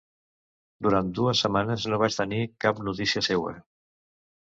Durant dues setmanes no vaig tenir cap notícia seua.